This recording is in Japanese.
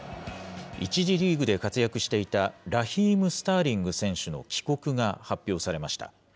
１次リーグで活躍していたラヒーム・スターリング選手の帰国が発表されました。